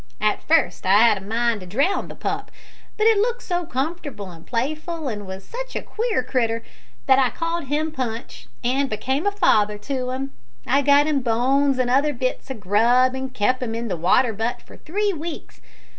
At first I 'ad a mind to drown the pup, but it looked so comfortable an' playful, an' was such a queer critter, that I called him Punch, an' became a father to 'im. I got him bones an' other bits o' grub, an' kep' 'im in the water butt for three veeks.